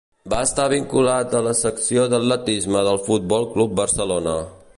Va estar vinculat a la secció d'atletisme del Futbol Club Barcelona.